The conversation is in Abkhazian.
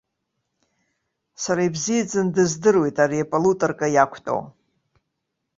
Сара ибзиаӡаны дыздыруеит ари палутарка иақәтәоу.